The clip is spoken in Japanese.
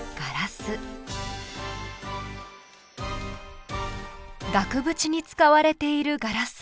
車のドアに使われているガラス。